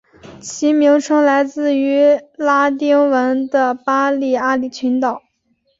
其名称来自于拉丁文的巴利阿里群岛。